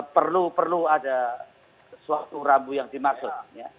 perlu perlu ada suatu rambu yang dimaksud